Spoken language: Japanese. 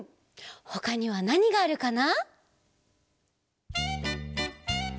ほかにはなにがあるかな？